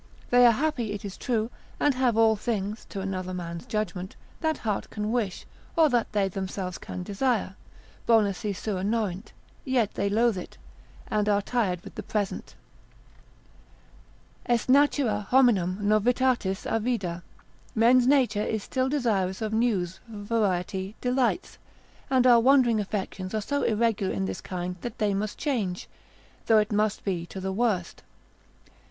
They are happy, it is true, and have all things, to another man's judgment, that heart can wish, or that they themselves can desire, bona si sua norint: yet they loathe it, and are tired with the present: Est natura hominum novitatis avida; men's nature is still desirous of news, variety, delights; and our wandering affections are so irregular in this kind, that they must change, though it must be to the worst.